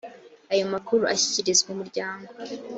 ayo makuru ashyikirizwa umuryango